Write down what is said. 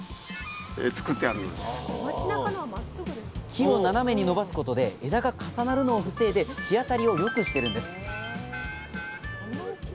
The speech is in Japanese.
木を斜めに伸ばすことで枝が重なるのを防いで日当たりをよくしてるんです